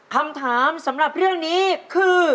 คำถามสำหรับเรื่องนี้คือ